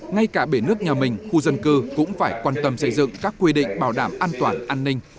ngay cả bể nước nhà mình khu dân cư cũng phải quan tâm xây dựng các quy định bảo đảm an toàn an ninh